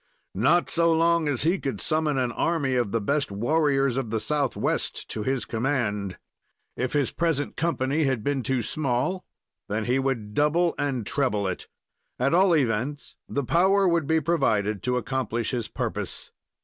Not so long as he could summon an army of the best warriors of the Southwest to his command. If his present company had been too small, then he would double and treble it. At all events, the power would be provided to accomplish his purpose.